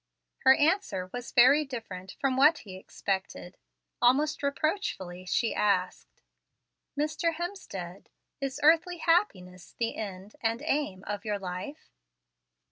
Her answer was very different from what he expected. Almost reproachfully she asked, "Mr. Hemstead, is earthly happiness the end and aim of your life?"